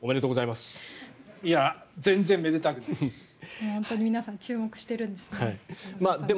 全然めでたくないです。